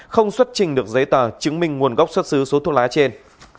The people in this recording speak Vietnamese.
không xuất trình được giấy tờ chứng minh nguồn gốc xuất xứ số thuốc lá trên